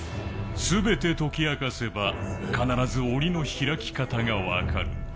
全て解き明かせば必ずおりの開き方が分かる。